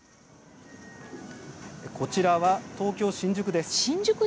こちらは東京・新宿です。